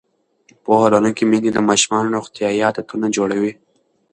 پوهه لرونکې میندې د ماشومانو روغتیایي عادتونه جوړوي.